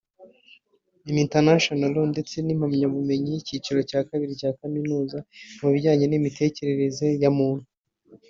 in International Law) ndetse n’impamyabumenyi y’icyiciro cya kabiri cya Kaminuza mu bijyanye n’imitekerereze ya muntu